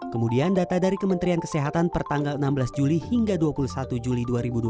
kemudian data dari kementerian kesehatan pertanggal enam belas juli hingga dua puluh satu juli dua ribu dua puluh